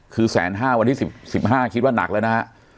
คือแสนห้าวันที่๕ค่ะคิดว่านักแล้วนะ